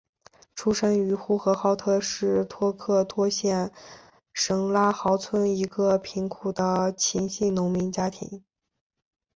出生于呼和浩特市托克托县什拉毫村一个贫苦的秦姓农民家庭。